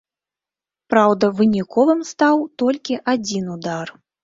Праўда, выніковым стаў толькі адзін удар.